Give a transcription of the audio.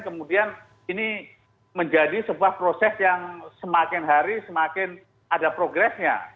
kemudian ini menjadi sebuah proses yang semakin hari semakin ada progresnya